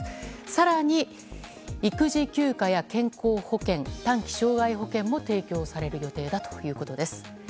更に、育児休暇や健康保険、短期障害保険も提供される予定だということです。